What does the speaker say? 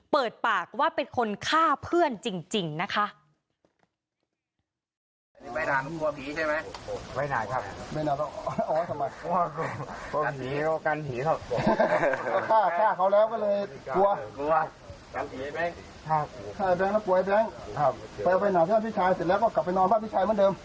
เปิดปากว่าเป็นคนฆ่าเพื่อนจริงนะคะ